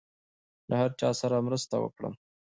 له هر چا سره مرسته وکړم.